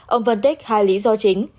ông vân tích hai lý do chính